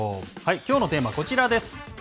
きょうのテーマはこちらです。